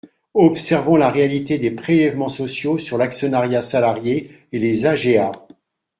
Observons la réalité des prélèvements sociaux sur l’actionnariat salarié et les AGA.